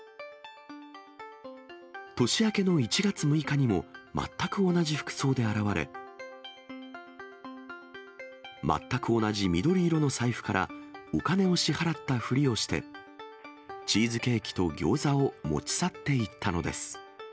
年明けの１月６日にも、全く同じ服装で現れ、全く同じ緑色の財布からお金を支払ったふりをして、チーズケーキとギョーザを持ち去っていったのです。